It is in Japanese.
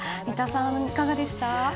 三田さん、いかがでしたか。